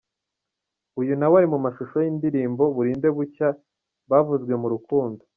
Uyu nawe ari mashusho y’indirimbo ’Burinde Bucya’ bavuzwe mu rukundo.